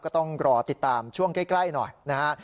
ก็ต้องรอติดตามช่วงใกล้หน่อยนะฮะ